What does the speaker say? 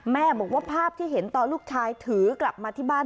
แม่บอกว่าภาพที่เห็นตอนลูกชายถือกลับมาที่บ้าน